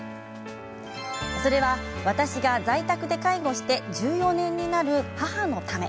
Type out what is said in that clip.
それは、私が在宅で介護して１４年になる母のため。